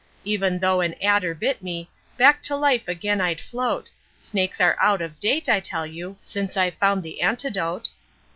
Even though an adder bit me, back to life again I'd float; Snakes are out of date, I tell you, since I've found the antidote.'